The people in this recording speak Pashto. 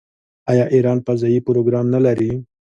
آیا ایران فضايي پروګرام نلري؟